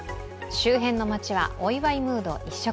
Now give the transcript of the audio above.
周辺の街は、お祝いムード、一色。